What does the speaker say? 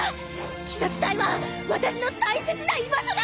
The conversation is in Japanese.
鬼殺隊は私の大切な居場所なんだから！